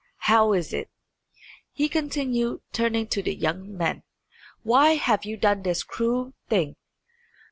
How is it?" he continued, turning to the two young men. "Why have you done this cruel thing?"